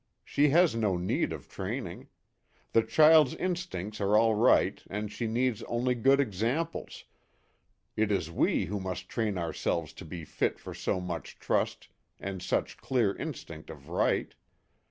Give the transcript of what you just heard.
She has no need of training. The child's instincts are all right and she needs only good examples it is we who must train ourselves to be fit for so much trust and such clear instinct of right.